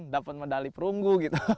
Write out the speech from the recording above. dapat medali perunggu